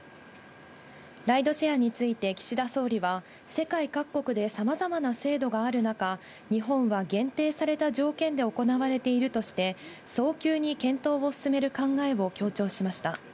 ライドシェアについて岸田総理は、世界各国でさまざまな制度がある中、日本は限定された条件で行われているとして、早急に検討を進める考えを強調しました。